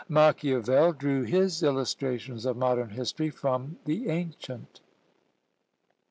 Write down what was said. Machiavel drew his illustrations of modern history from the ancient.